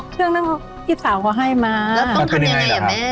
เรื่องนั้นพี่สาวเขาให้มาแล้วต้องทำยังไงอ่ะแม่